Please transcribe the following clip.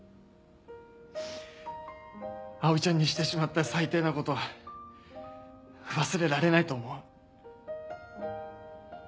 葵ちゃんにしてしまった最低なこと忘れられないと思う。